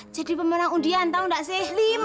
jadi pemenang undian tau nggak sih